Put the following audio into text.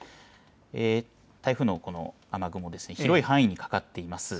台風の雨雲ですね、広い範囲にかかっています。